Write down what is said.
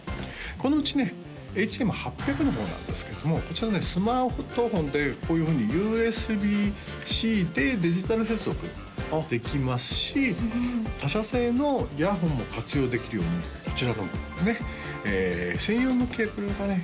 このうちねＨＭ８００の方なんですけどもこちらねスマートフォンでいうこういうふうにＵＳＢＴｙｐｅ−Ｃでデジタル接続できますし他社製のイヤホンも活用できるようにこちらのね専用のケーブルがね